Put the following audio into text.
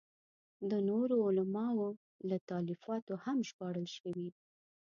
د نورو علماوو له تالیفاتو هم ژباړل شوي.